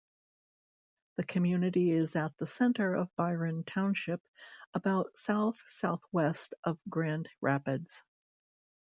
The community is at the center of Byron Township, about south-southwest of Grand Rapids.